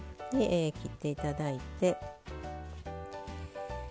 切って頂いて。